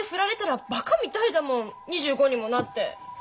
２５にもなって。